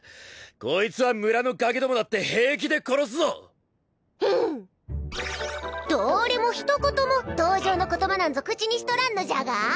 こいつは村のガキどもだって平気で殺すぞだーれも一言も同情の言葉なんぞ口にしとらんのじゃが？